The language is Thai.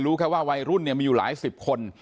รู้แค่ว่าวัยรุ่นเนี่ยมีอยู่หลายสิบคน